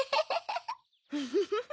フフフフ。